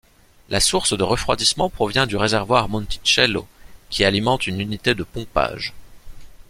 La source de refroidissement provient du réservoir Monticello qui alimente une unité de pompage.